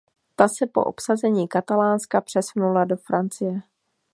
Ta se po obsazení Katalánska přesunula do Francie.